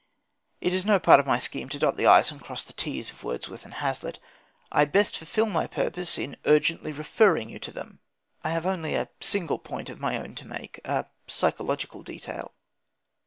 It is no part of my scheme to dot the "i's" and cross the "t's" of Wordsworth and Hazlitt. I best fulfil my purpose in urgently referring you to them. I have only a single point of my own to make a psychological detail.